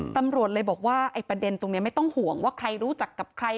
ตำรวจเลยบอกว่าไอ้ประเด็นตรงนี้ไม่ต้องห่วงว่าใครรู้จักกับใคร